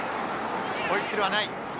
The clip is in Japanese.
ホイッスルはない。